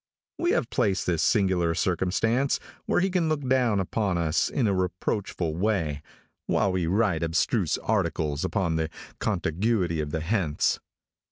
We have placed this singular circumstance where he can look down upon us in a reproachful way, while we write abstruse articles upon the contiguity of the hence.